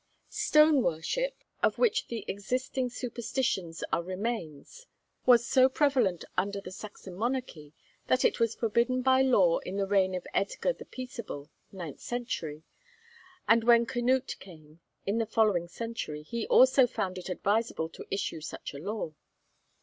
Stone worship, of which the existing superstitions are remains, was so prevalent under the Saxon monarchy, that it was forbidden by law in the reign of Edgar the Peaceable, (ninth century,) and when Canute came, in the following century, he also found it advisable to issue such a law.